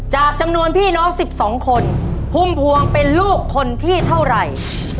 จำนวนพี่น้อง๑๒คนพุ่มพวงเป็นลูกคนที่เท่าไหร่